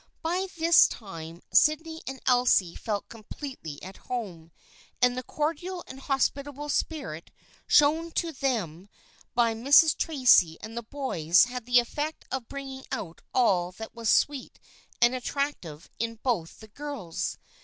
By this time Syd ney and Elsie felt completely at home, and the cordial and hospitable spirit shown to them by Mrs. Tracy and the boys had the effect of bring ing out all that was sweet and attractive in both the girls.